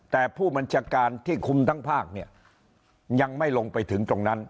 แต่ผู้บัญชาการที่คุมทั้งภาคเนี่ยยังไม่ลงไปถึงตรงนั้น